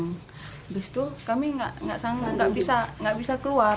habis itu kami nggak bisa keluar